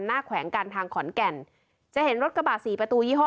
แขวงการทางขอนแก่นจะเห็นรถกระบะสี่ประตูยี่ห้อ